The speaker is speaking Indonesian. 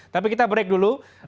tapi kita break dulu